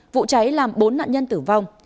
vụ cháy làm bốn nạn nhân tử vong